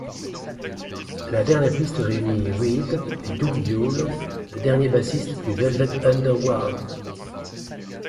La dernière piste réunit Reed et Doug Yule, le dernier bassiste du Velvet Underground.